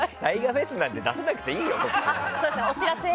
「ＴＡＩＧＡフェス」なんて出さなくていいよ。